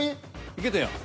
いけたやん。